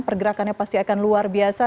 pergerakannya pasti akan luar biasa